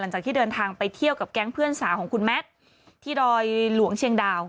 หลังจากที่เดินทางไปเที่ยวกับแก๊งเพื่อนสาวของคุณแมทที่ดอยหลวงเชียงดาว